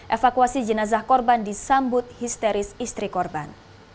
evakuasi jenazah korban disambut histeris istri korban